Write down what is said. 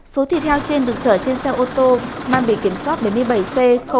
số thịt heo trên được chở trên xe ô tô mang bề kiểm soát bảy mươi bảy c một trăm sáu mươi sáu